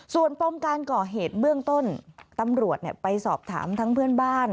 ส่วนปมการก่อเหตุเบื้องต้นตำรวจไปสอบถามทั้งเพื่อนบ้าน